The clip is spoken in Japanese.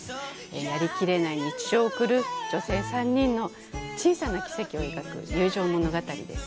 やりきれない日常を生きる女性３人の「小さな奇跡」を描く友情物語です。